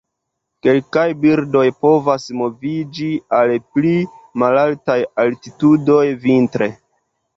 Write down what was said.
Kelkaj birdoj povas moviĝi al pli malaltaj altitudoj vintre.